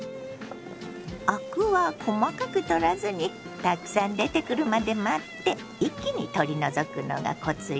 アクは細かく取らずにたくさん出てくるまで待って一気に取り除くのがコツよ。